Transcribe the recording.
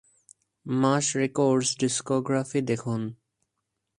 মাশ records discography দেখুন।